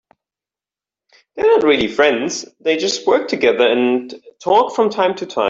They are not really friends, they just work together and talk from time to time.